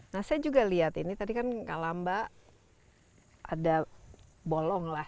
nah saya juga lihat ini tadi kan kalamba ada bolong lah